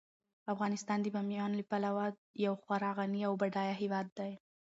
افغانستان د بامیان له پلوه یو خورا غني او بډایه هیواد دی.